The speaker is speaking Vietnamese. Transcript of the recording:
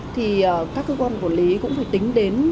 thì các cơ quan quản lý cũng phải tính đến